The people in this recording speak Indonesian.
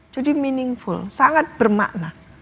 jadi meaningful sangat bermakna